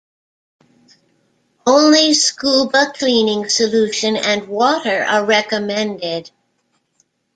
Only Scooba cleaning solution and water are recommended.